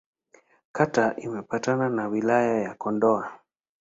Kata imepakana na Wilaya ya Kondoa.